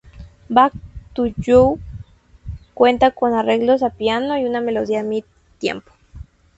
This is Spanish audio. Back To You cuenta con arreglos a piano y una melodía mid-tempo.